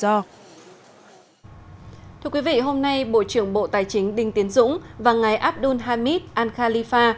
thưa quý vị hôm nay bộ trưởng bộ tài chính đinh tiến dũng và ngài abdul hamid an khalifa